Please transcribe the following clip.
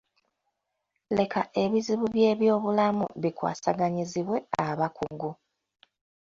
Leka ebizibu by'eby'obulamu bikwasaganyizibwe abakugu.